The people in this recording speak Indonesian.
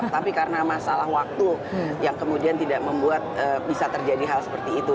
tapi karena masalah waktu yang kemudian tidak membuat bisa terjadi hal seperti itu